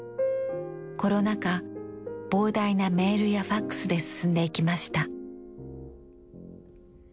コロナ禍膨大なメールやファックスで進んでいきました。